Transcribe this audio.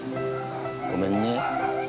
ごめんね。